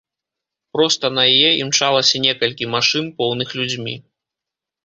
Проста на яе імчалася некалькі машын, поўных людзьмі.